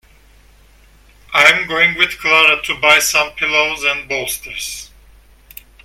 I'm going with Clara to buy some pillows and bolsters.